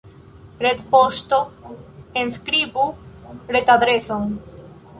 Retpoŝto Enskribu retadreson.